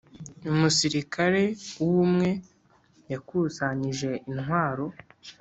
umusirikare w’ubumwe yakusanyije intwaro